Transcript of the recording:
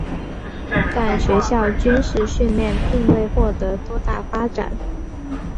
但学校军事训练并未获得多大发展。